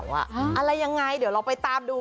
อะไรยังไงเดี๋ยวเราไปตามดู